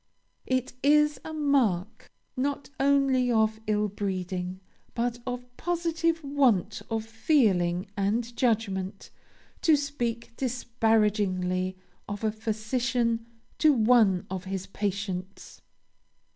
It is a mark, not only of ill breeding, but of positive want of feeling and judgment, to speak disparagingly of a physician to one of his patients.